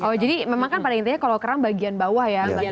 oh jadi memang kan pada intinya kalau keram bagian bawah ya